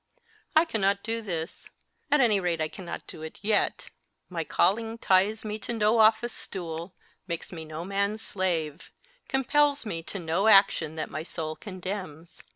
I cannot do this ; at any rate, I cannot do it yet. My calling ties me to no office stool, makes me no man s slave, compels me to no action that my soul condemns.